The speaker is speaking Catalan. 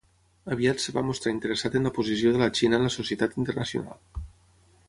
Aviat es va mostrar interessat en la posició de la Xina en la societat internacional.